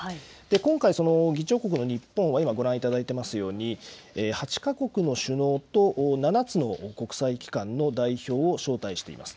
今回、その議長国の日本は今ご覧いただいていますように８か国の首脳と７つの国際機関の代表を招待しています。